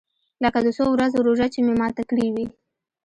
لکه د څو ورځو روژه چې مې ماته کړې وي.